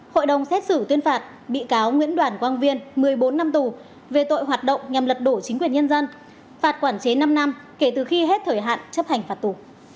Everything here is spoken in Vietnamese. hội đồng xét xử tuyên phạt bị cáo nguyễn đoàn quang viên một mươi bốn năm tù về tội hoạt động nhằm lật đổ chính quyền nhân dân phạt quản chế năm năm kể từ khi hết thời hạn chấp hành phạt tù